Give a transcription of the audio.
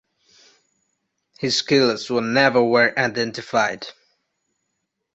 His killers never were identified.